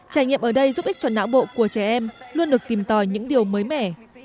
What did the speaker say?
trải nghiệm ở đây giúp ích cho não bộ của trẻ em luôn được tìm tòi những điều mới mẻ